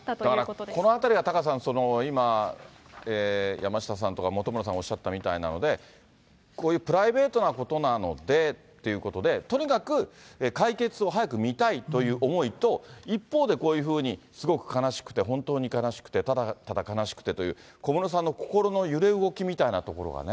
だから、このあたりはタカさん、今、山下さんとか本村さんがおっしゃったみたいなので、こういうプライベートなことなのでということで、とにかく解決を早く見たいという思いと、一方で、こういうふうにすごく悲しくて、本当に悲しくて、ただただ悲しくてという、小室さんの心の揺れ動きみたいなところがね。